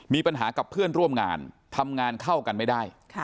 มีปัญหากับเพื่อนร่วมงานทำงานเข้ากันไม่ได้